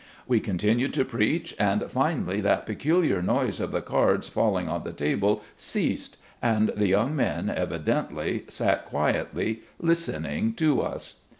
We continued to preach, and finally, that peculiar noise of the cards falling on the table ceased, and the young men evidently sat quietly listening to us.